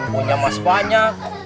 punya mah sepanyak